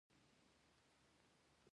د اوبو ډیپلوماسي فعاله ده؟